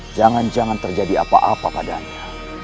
jangan jangan terjadi apa apa padanya